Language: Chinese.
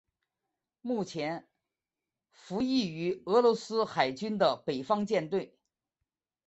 目前服役于俄罗斯海军的北方舰队。